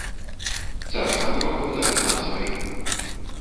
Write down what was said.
Цар скамарохаў даў знак сваім.